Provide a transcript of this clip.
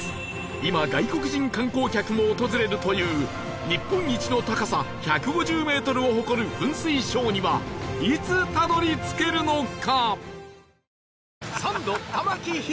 今外国人観光客も訪れるという日本一の高さ１５０メートルを誇る噴水ショーにはいつたどり着けるのか？